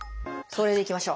それでいきましょう。